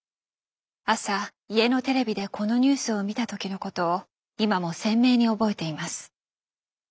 朝家のテレビでこのニュースを見たときのことを今も鮮明に覚えています。